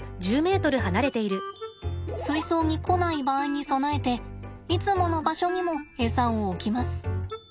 水槽に来ない場合に備えていつもの場所にもエサを置きます。